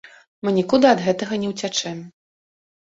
Мы нікуды ад гэтага не ўцячэм.